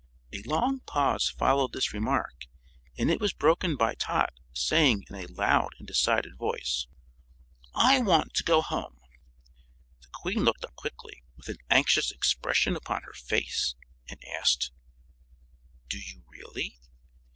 A long pause followed this remark, and it was broken by Tot saying in a loud and decided voice: "I want to go home!" The Queen looked up quickly, with an anxious expression upon her face, and asked, "Do you really?"